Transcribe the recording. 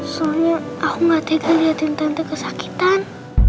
soalnya aku gak tega liatin tante kesakitan